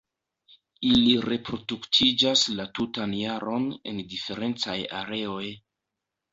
Ili reproduktiĝas la tutan jaron en diferencaj areoj.